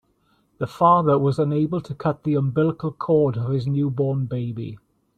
The father was unable to cut the umbilical cord of his newborn baby.